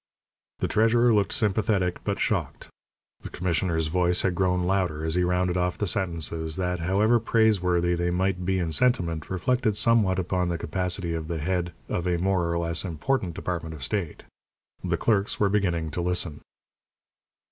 The treasurer looked sympathetic but shocked. The commissioner's voice had grown louder as he rounded off the sentences that, however praiseworthy they might be in sentiment, reflected somewhat upon the capacity of the head of a more or less important department of state. The clerks were beginning to listen.